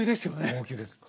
高級です。